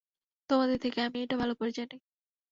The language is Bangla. তোমাদের থেকে এটা আমি করে ভালো জানি।